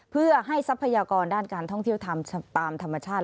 เพื่อให้ทรัพยากรด้านการท่องเที่ยวทำตามธรรมชาติ